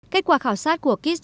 kết quả khảo sát của kiss